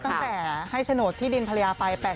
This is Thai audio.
ตั้งแต่ให้โฉนดที่ดินภรรยาไป